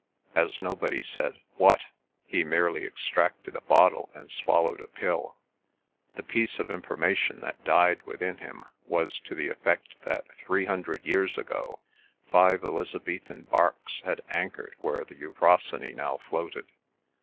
As nobody said, "What?" he merely extracted a bottle and swallowed a pill. The piece of information that died within him was to the effect that three hundred years ago five Elizabethan barques had anchored where the Euphrosyne now floated.